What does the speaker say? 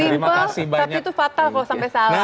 simple tapi itu fatal kalau sampai salah